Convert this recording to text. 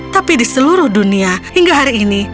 tapi di seluruh dunia hingga hari ini